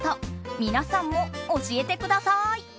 皆さんも教えてください！